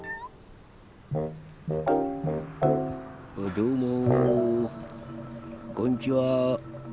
どうもこんちは。